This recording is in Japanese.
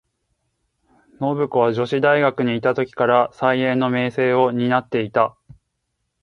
信子は女子大学にゐた時から、才媛の名声を担ってゐた。